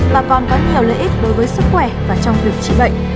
và còn có nhiều lợi ích đối với sức khỏe và trong việc chữa bệnh